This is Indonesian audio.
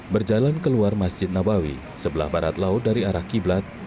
berjalan keluar masjid nabawi sebelah barat laut dari arah qiblat